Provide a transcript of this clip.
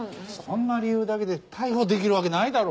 そんな理由だけで逮捕できるわけないだろ。